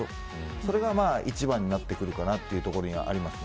それが一番になってくるかなというところはありますね。